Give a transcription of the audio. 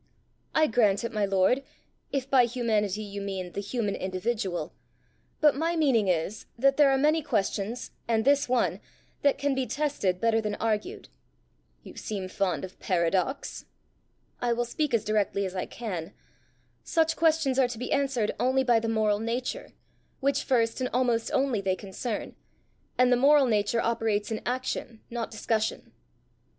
"I grant it, my lord, if by humanity you mean the human individual. But my meaning is, that there are many questions, and this one, that can be tested better than argued." "You seem fond of paradox!" "I will speak as directly as I can: such questions are to be answered only by the moral nature, which first and almost only they concern; and the moral nature operates in action, not discussion."